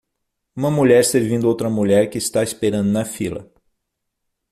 Uma mulher servindo outra mulher que está esperando na fila.